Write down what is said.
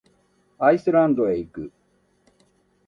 アイスランドへ行く。